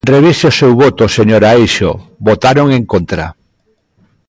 Revise o seu voto, señora Eixo, votaron en contra.